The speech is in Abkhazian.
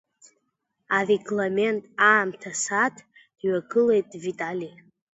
Арегламент, аамҭа, асааҭ, дҩагылеит Витали.